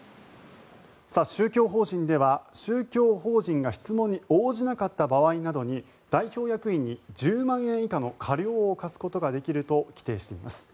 宗教法人では、宗教法人が質問に応じなかった場合などに代表役員に１０万円以下の過料を科すことができると規定しています。